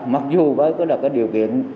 mặc dù với điều kiện